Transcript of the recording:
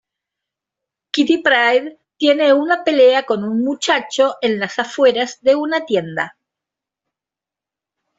Kitty Pryde tiene una pelea con un muchacho en las afueras de una tienda.